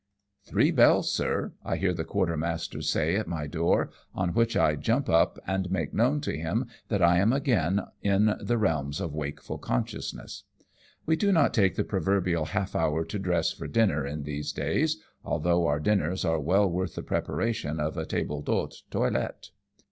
" Three bells, sir," I hear the quarter master say at my door, on which I jump up, and make known to him that I am again in the realms of wakeful consciousness. We do not take the proverbial half hour to dress for dinner in these days, although our dinflers are well worth the preparation of a table d'hote toilet.